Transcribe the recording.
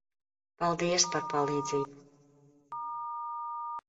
Paldies par palīdzību.